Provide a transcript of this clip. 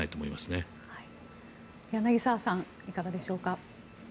いかがでしょうか。